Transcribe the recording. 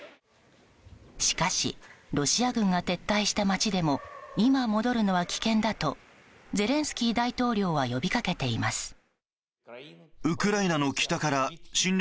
しかしロシア軍が撤退した街でも今戻るのは危険だとゼレンスキー大統領は呼びかけています。